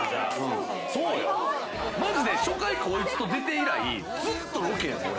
マジで初回こいつと出て以来、ずっとロケやで、俺。